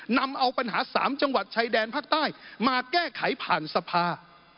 นำเอาปัญหา๓จังหวัดชายแดนภาคใต้มาแก้ไขผ่านสภา